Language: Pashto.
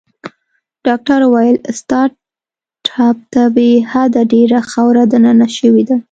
ډاکټر وویل: ستا ټپ ته بې حده ډېره خاوره دننه شوې ده.